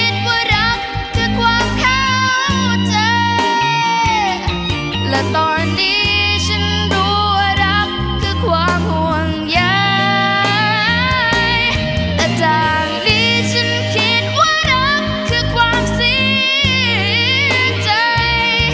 แต่จากนี้ฉันคิดว่ารักคือความเสียใจ